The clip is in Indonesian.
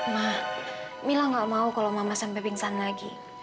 mah mila gak mau kalau mama sampai pingsan lagi